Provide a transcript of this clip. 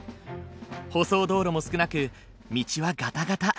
舗装道路も少なく道はガタガタ。